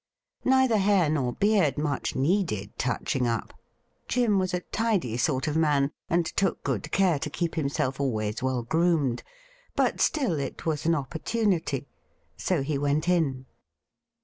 Neither hair nor beard much needed touching up. Jim was a tidy sort of man, and took good care to keep him self always well groomed ; but, still, it was an opportunity. So he went in.